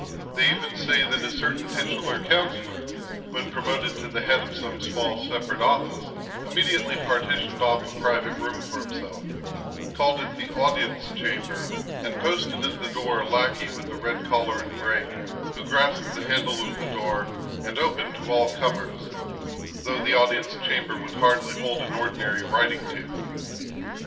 They even say that a certain titular councillor, when promoted to the head of some small separate office, immediately partitioned off a private room for himself, called it the audience chamber, and posted at the door a lackey with red collar and braid, who grasped the handle of the door, and opened to all comers, though the audience chamber would hardly hold an ordinary writing table.